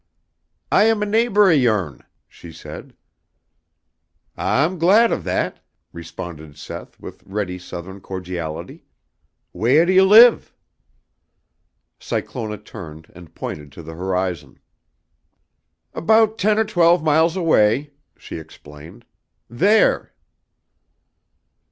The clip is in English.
"I am a neighbor of yourn," she said. "I'm glad of that," responded Seth with ready Southern cordiality. "Wheah do you live?" Cyclona turned and pointed to the horizon. "About ten or twelve miles away," she explained. "There!"